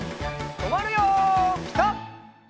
とまるよピタ！